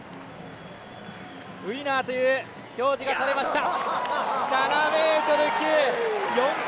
ウイナーという表示がされました。